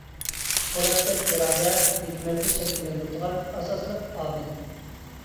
«پولاتتەك ئىرادە» ھېكمەتنى شەكىللەندۈرىدىغان ئاساسلىق ئامىل.